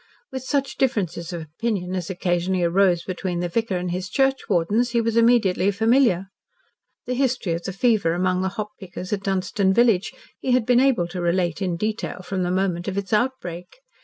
With such differences of opinion as occasionally arose between the vicar and his churchwardens he was immediately familiar. The history of the fever among the hop pickers at Dunstan village he had been able to relate in detail from the moment of its outbreak.